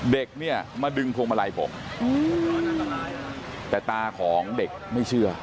เด็กเนี่ยมาดึงพวงมาลัยผมแต่ตาของเด็กไม่เชื่อ